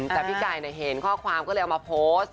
แต่พี่ไก่เห็นข้อความก็เลยเอามาโพสต์